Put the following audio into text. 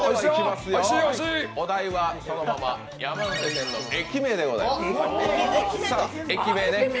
お題はそのまま、山手線の駅名でございます。